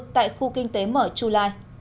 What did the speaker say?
tại khu kinh tế mở chulai